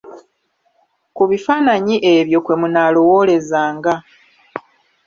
Ku bifaananyi ebyo kwe munaalowoolezanga.